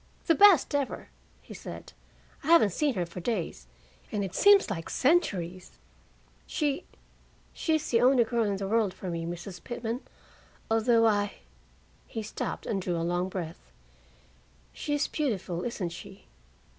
"The best ever!" he said. "I haven't seen her for days, and it seems like centuries. She she is the only girl in the world for me, Mrs. Pitman, although I " He stopped and drew a long breath. "She is beautiful, isn't she?"